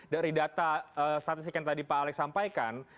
dari data statistik yang tadi pak alex sampaikan